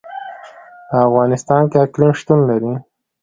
په افغانستان کې اقلیم شتون لري.